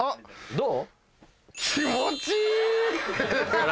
どう？